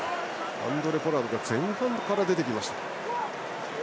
ハンドレ・ポラードが前半から出てきました。